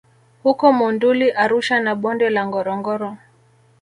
huko Monduli Arusha na Bonde la Ngorongoro